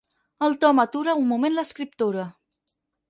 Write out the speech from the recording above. El Tom atura un moment l'escriptura.